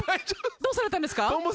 どうされたんですか？